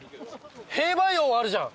兵馬俑あるじゃん！